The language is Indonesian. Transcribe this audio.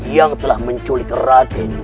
yang telah menculik raden